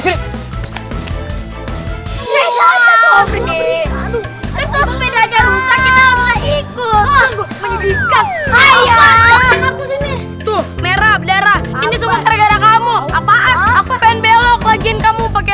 ini semua karena kamu apaan aku pengen belok lagi kamu pakai